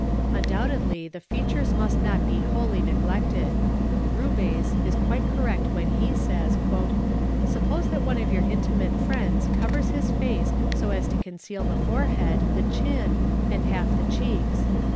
Undoubtedly the features must not be wholly neglected. _Rubeis is quite correct when he says; '' suppose that one of your intimate friends covers his face so as to conceal the forehead, the chin, and half the cheeks.